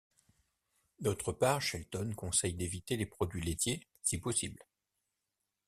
D'autre part, Shelton conseille d'éviter les produits laitiers, si possible.